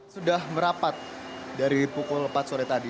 sudah merapat dari pukul empat sore tadi